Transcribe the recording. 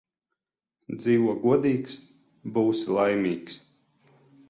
Dzīvo godīgs – būsi laimīgs